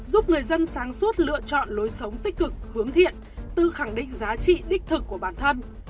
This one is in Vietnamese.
giúp người dân sáng suốt lựa chọn lối sống tích cực hướng thiện tư khẳng định giá trị đích thực của bản thân